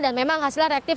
dan memang hasilnya reaktif